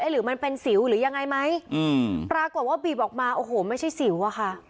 หรือมันเป็นสิวหรือยังไงไหมอืมปรากฏว่าบีบออกมาโอ้โหไม่ใช่สิวอะค่ะ